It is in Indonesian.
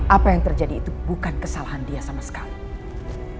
apa yang terjadi itu bukan kesalahan dia sama sekali